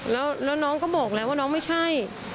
แล้วน้องก็บอกแล้วว่าน้องไม่ใช่